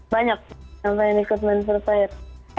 banyak yang pengen ikut main free fire